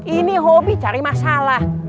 ini hobi cari masalah